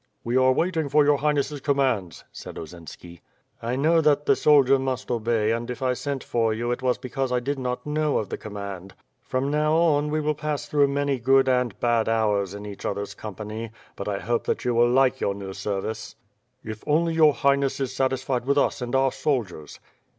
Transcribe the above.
"We are waiting for your Highness's commands," said Osinski. "I know that the soldier must obey, and if I sent for you it was because I did not know of the command. From now on, we will pass many good and bad hours in each other's com pany; but I hope that you will like your new service." "If only your Highness is satisfied with us and our soldiers."